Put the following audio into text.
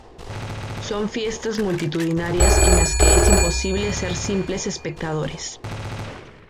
Son fiestas multitudinarias en las que es imposible ser simples espectadores.